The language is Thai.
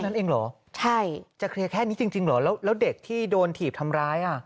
ใช่ใช่จะเคลียร์แค่นี้จริงเหรอแล้วเด็กที่โดนถีบทำร้าย